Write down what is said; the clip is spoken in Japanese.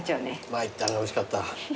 参ったなおいしかった。